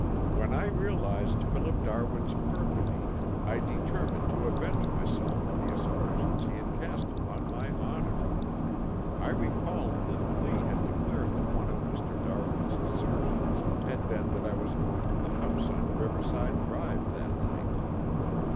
When I realized Philip Darwin's perfidy I determined to avenge myself for the aspersions he had cast upon my honor. I recalled that Lee had declared that one of Mr. Darwin's assertions had been that I was going to the house on Riverside Drive that night.